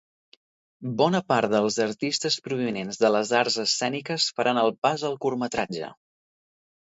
Bona part dels artistes provinents de les arts escèniques faran el pas al curtmetratge.